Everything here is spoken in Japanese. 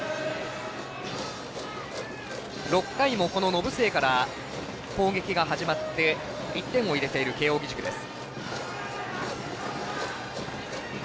６回も延末から攻撃が始まって１点を入れている慶応義塾です。